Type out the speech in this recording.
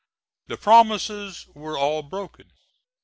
The promises were all broken.